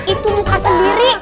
itu muka sendiri